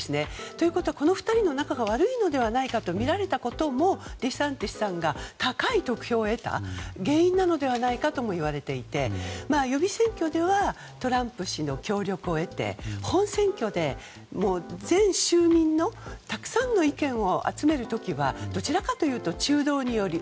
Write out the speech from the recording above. ということは、この２人の仲が悪いのではないかとみられたこともデサンティスさんが高い得票を得た理由ではないかといわれていて、予備選挙ではトランプ氏の協力を得て本選挙で全州民のたくさんの意見を集める時はどちらかというと中道に寄る。